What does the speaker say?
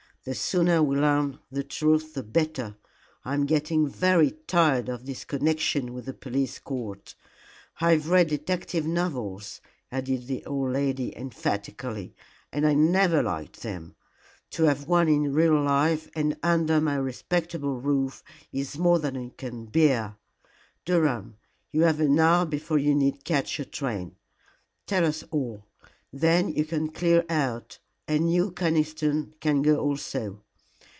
"The sooner we learn the truth the better. I am getting very tired of this connection with the Police Court. I have read detective novels," added the old lady, emphatically, "and I never liked them. To have one in real life and under my respectable roof is more than I can bear. Durham, you have an hour before you need catch your train. Tell us all. Then you can clear out, and you, Conniston, can go also.